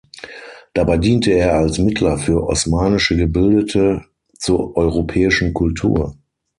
Dabei diente er als Mittler für osmanische Gebildete zur europäischen Kultur.